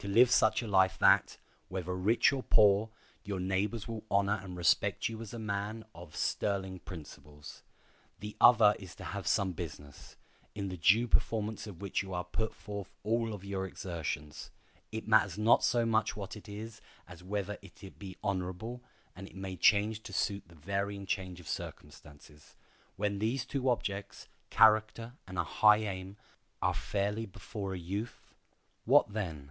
To live such a life that, whether rich or poor, your neighbors will honor and respect you as a man of sterling principles. The other is to have some business, in the due performance of which you are to put forth all your exertions. It matters not so much what it is as whether it be honorable, and it may change to suit the varying change of circumstances. When these two objects—character and a high aim—are fairly before a youth, what then?